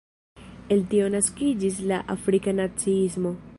El tio naskiĝis la Afrika naciismo.